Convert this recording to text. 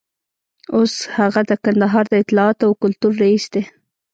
اوس هغه د کندهار د اطلاعاتو او کلتور رییس دی.